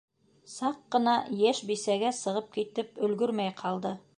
- Саҡ ҡына йәш бисәгә сығып китеп өлгөрмәй ҡалды.